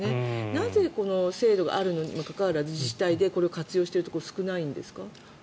なぜ、この制度があるにもかかわらず自治体でこれを活用しているところが少ないんですか？